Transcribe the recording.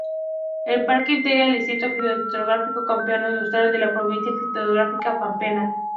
El parque integra el distrito fitogeográfico Pampeano Austral, de la provincia fitogeográfica Pampeana.